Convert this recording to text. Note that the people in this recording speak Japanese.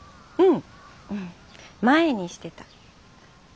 うん。